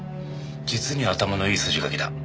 実に頭のいい筋書きだ。